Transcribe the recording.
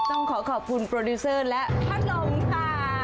ต้องขอขอบคุณโปรดิวเซอร์และพัดลมค่ะ